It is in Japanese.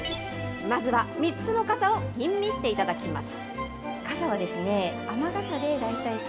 まずは３つの傘を吟味していただきます。